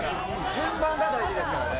順番が大事ですからね。